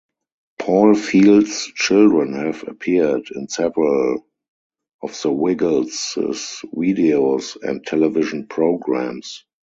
Paul Field's children have appeared in several of The Wiggles' videos and television programs.